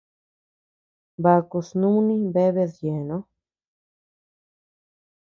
Baku snuni bea bedyeno.